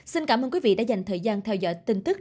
xin cảm ơn quý vị đã dành thời gian theo dõi tin tức